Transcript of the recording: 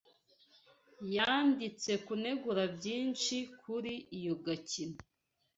Yanditse kunegura byinshi kuri iyo gakino.